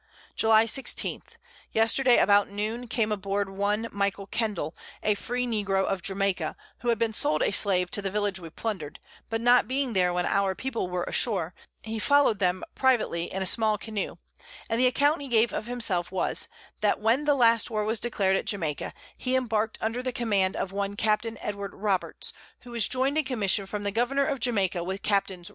July 16. Yesterday about Noon came aboard one Michael Kendall, a free Negro of Jamaica, who had been sold a Slave to the Village we plunder'd; but not being there when our People were ashore, he follow'd them privately in a small Canoe; and the Account he gave of himself was, that when the last War was declared at Jamaica, he embark'd under the Command of one Capt. Edward Roberts, who was join'd in Commission from the Governour of Jamaica with Capts.